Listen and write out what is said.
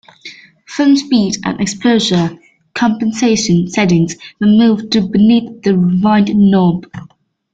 Film speed and exposure compensation settings were moved to beneath the rewind knob.